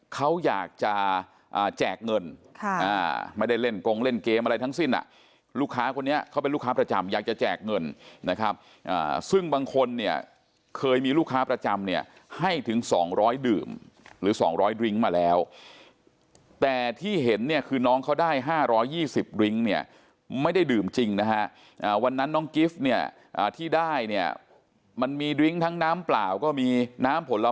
เขาอยากจะแจกเงินไม่ได้เล่นกงเล่นเกมอะไรทั้งสิ้นลูกค้าคนนี้เขาเป็นลูกค้าประจำอยากจะแจกเงินนะครับซึ่งบางคนเนี่ยเคยมีลูกค้าประจำเนี่ยให้ถึง๒๐๐ดื่มหรือ๒๐๐ดริ้งมาแล้วแต่ที่เห็นเนี่ยคือน้องเขาได้๕๒๐ดริ้งเนี่ยไม่ได้ดื่มจริงนะฮะวันนั้นน้องกิฟต์เนี่ยที่ได้เนี่ยมันมีดริ้งทั้งน้ำเปล่าก็มีน้ำผล